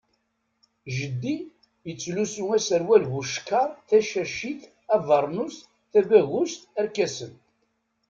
Jeddi yettlusu aserwal bucekkaṛ, tacacit, abernus, tabagust, arkasen.